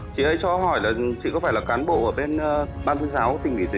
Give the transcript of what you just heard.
chị hãy cho hỏi là chị có phải là cán bộ ở bên ban tuyên giáo tỉnh ủy tuyên